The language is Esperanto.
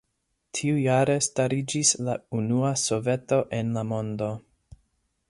Tiujare stariĝis la unua soveto en la mondo.